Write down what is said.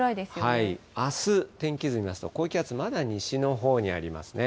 あす、天気図見ますと、高気圧、まだ西のほうにありますね。